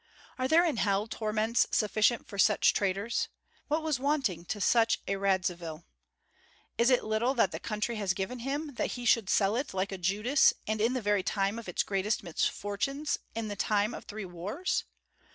Are there in hell torments sufficient for such traitors? What was wanting to such a Radzivill? Is it little that the country has given him, that he should sell it like a Judas, and in the very time of its greatest misfortunes, in the time of three wars?